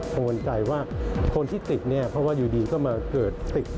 กังวลใจว่าคนที่ติดเนี่ยเพราะว่าอยู่ดีก็มาเกิดติด